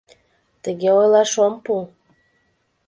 — Тыге ойлаш ом пу!